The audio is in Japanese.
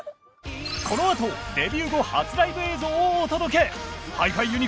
このあとデビュー後初ライブ映像をお届けＨｉ−ＦｉＵｎ！